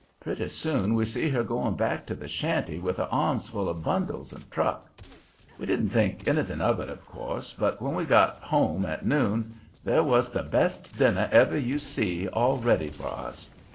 Pretty soon we see her going back to the shanty with her arms full of bundles and truck. We didn't think anything of it then, but when we got home at noon, there was the best dinner ever you see all ready for us.